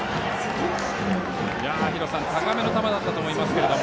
廣瀬さん、高めの球だったと思いますが。